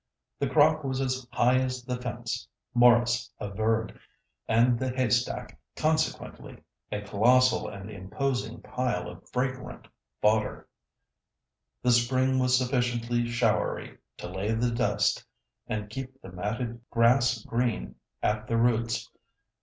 The crop was as "high as the fence," Maurice averred, and the haystack, consequently, a colossal and imposing pile of fragrant fodder. The spring was sufficiently showery to lay the dust and keep the matted grass green at the roots.